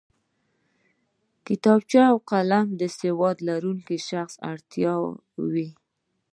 کتابچه او قلم د سواد لرونکی شخص اړتیا وي